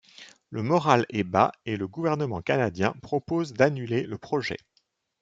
Le moral est bas et le gouvernement canadien propose d'annuler le projet.